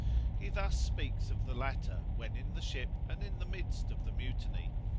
He thus speaks of the latter, when in the ship and in the midst of the mutiny.